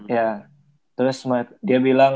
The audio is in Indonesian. ya terus dia bilang